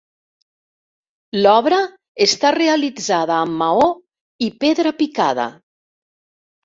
L'obra està realitzada amb maó i pedra picada.